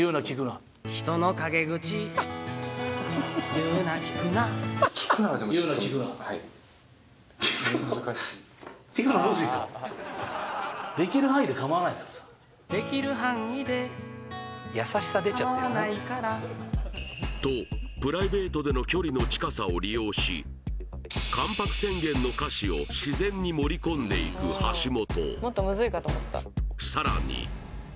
言うな聞くなはいとプライベートでの距離の近さを利用し「関白宣言」の歌詞を自然に盛り込んでいく橋本